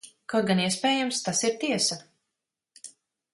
Kaut gan, iespējams, tas ir tiesa.